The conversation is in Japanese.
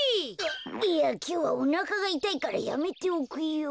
いやきょうはおなかがいたいからやめておくよ。